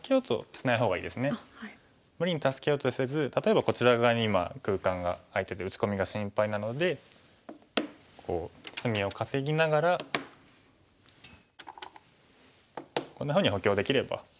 無理に助けようとせず例えばこちら側に今空間が空いてて打ち込みが心配なのでこう隅を稼ぎながらこんなふうに補強できれば。